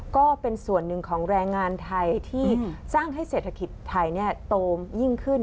ก็เป็นส่วนหนึ่งของแรงงานไทยที่สร้างให้เศรษฐกิจไทยโตยิ่งขึ้น